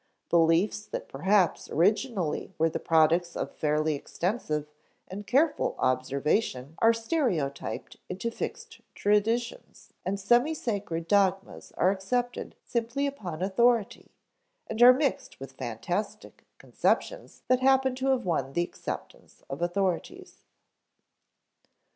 Beliefs that perhaps originally were the products of fairly extensive and careful observation are stereotyped into fixed traditions and semi sacred dogmas accepted simply upon authority, and are mixed with fantastic conceptions that happen to have won the acceptance of authorities.